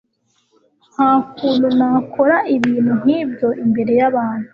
Nta kuntu nakora ibintu nkibyo imbere yabantu